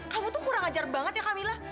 kamu tuh kurang ajar banget ya kamila